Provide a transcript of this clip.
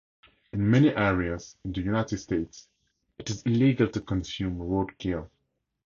In many areas in the United States it is illegal to consume roadkill.